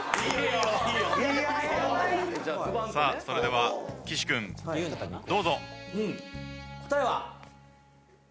それでは岸君どうぞ。